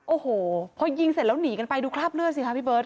โอ้โหพอยิงเสร็จแล้วหนีกันไปดูคราบเลือดสิคะพี่เบิร์